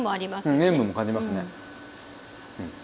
うん塩分も感じますね。